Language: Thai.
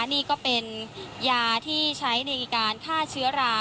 นี่ก็เป็นยาที่ใช้ในการฆ่าเชื้อรา